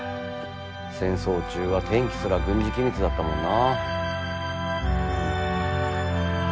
戦争中は天気すら軍事機密だったもんな。